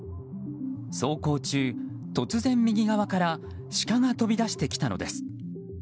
走行中、突然右側からシカが飛び出してきたのです。